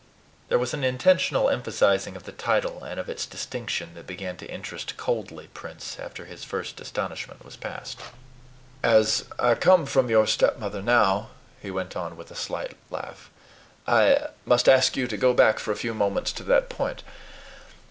There was an intentional emphasizing of the title and of its distinction that began to interest coldly Prince after his first astonishment was past. "As I come from your stepmother now," he went on with a slight laugh, "I must ask you to go back for a few moments to that point.